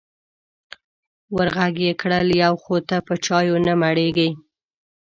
ور غږ یې کړل: یو خو ته په چایو نه مړېږې.